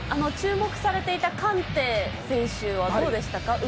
注目されていたカンテ選手はどうでしたか？